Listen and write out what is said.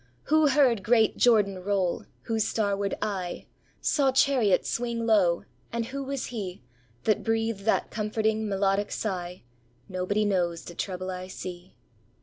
Who heard great "Jordan roll"? Whose starward eye Saw chariot "Swing low"? And who was he That breathed that comforting, melodic sigh, "Nobody Knows de Trouble I See"?